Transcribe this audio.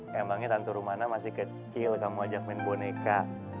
emangnya tantu rumana masih kecil kamu ajak main boneka